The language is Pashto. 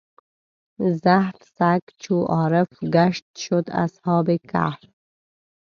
زحف سګ چو عارف ګشت شد اصحاب کهف.